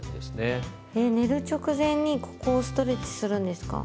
え寝る直前にここをストレッチするんですか？